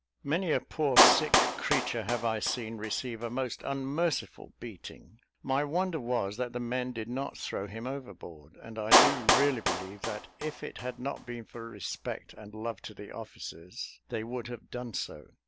Many a poor sick creature have I seen receive a most unmerciful beating. My wonder was that the men did not throw him overboard; and I do really believe that if it had not been for respect and love to the officers, they would have done so.